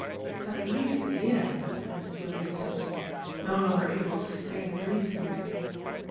"At least a year!" said Mrs. Wibberley Stimpson, no longer able to sustain the dream theory.